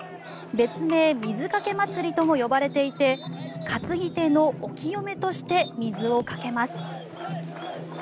別名、水かけ祭りとも呼ばれていて担ぎ手のお清めとして水をかけます。